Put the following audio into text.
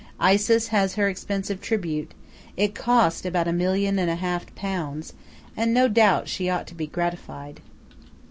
Isis has her expensive tribute it cost about a million and a half pounds and no doubt she ought to be gratified.